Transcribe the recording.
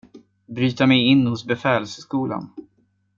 Bryta mig in hos befälsskolan